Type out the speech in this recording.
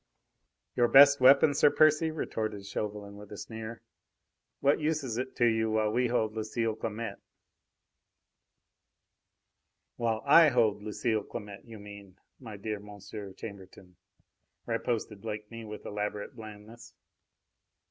"Your best weapon, Sir Percy!" retorted Chauvelin, with a sneer. "What use is it to you while we hold Lucile Clamette?" "While I hold Lucile Clamette, you mean, my dear Monsieur Chambertin," riposted Blakeney with elaborate blandness.